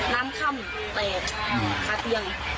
น้ำค่ำแตกคาเตียง